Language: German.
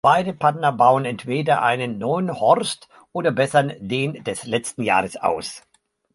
Beide Partner bauen entweder einen neuen Horst oder bessern den des letzten Jahres aus.